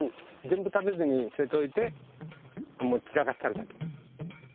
全部食べずに捨てといてもう散らかしてあるだけ。